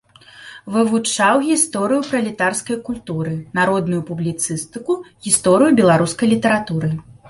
Вывучаў гісторыю пралетарскай культуры, народную публіцыстыку, гісторыю беларускай літаратуры.